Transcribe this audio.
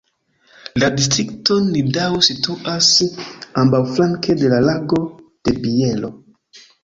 La distrikto Nidau situas ambaŭflanke de la Lago de Bielo.